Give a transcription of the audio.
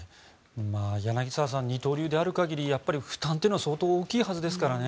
柳澤さん二刀流である限りやっぱり負担というのは相当大きいはずですからね。